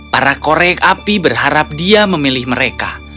para korek api berharap dia memilih mereka